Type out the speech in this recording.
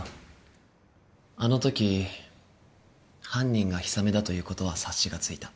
あの時犯人が氷雨だという事は察しがついた。